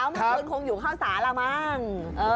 เมื่อคืนคงอยู่ข้าวสารละมั้ง